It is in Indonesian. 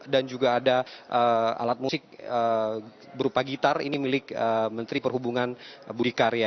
dan juga ada alat musik berupa gitar ini milik menteri perhubungan budi karya